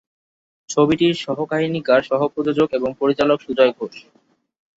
ছবিটির সহ-কাহিনীকার, সহ-প্রযোজক এবং পরিচালক সুজয় ঘোষ।